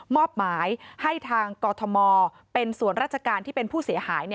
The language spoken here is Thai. อบหมายให้ทางกอทมเป็นส่วนราชการที่เป็นผู้เสียหาย